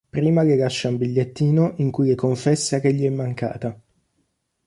Prima le lascia un bigliettino in cui le confessa che gli è mancata.